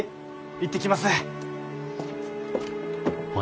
行ってきます！